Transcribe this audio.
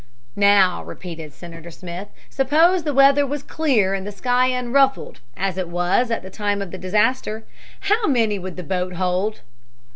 "Now," repeated Senator Smith, "suppose the weather was clear and the sky unruffled, as it was at the time of the disaster, how many would the boat hold?"